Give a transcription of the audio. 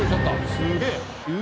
すげえ。